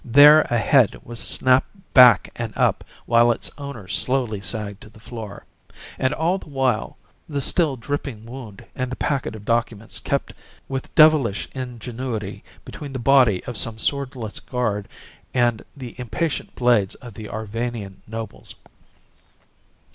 There a head was snapped back and up, while its owner slowly sagged to the floor. And all the while the still dripping wound and the packet of documents kept with devilish ingenuity between the body of some swordless guard and the impatient blades of the Arvanian nobles.